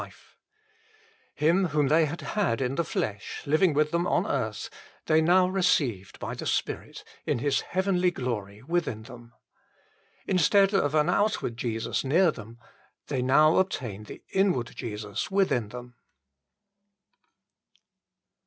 1 John xiv. 18, 20. 24 THE FULL BLESSING OF PENTECOST Him whom they had had in the flesh, living with them on earth, they now received by the Spirit in His heavenly glory within them. Instead of an outward Jesus near them, they now obtained the inward Jesus within them.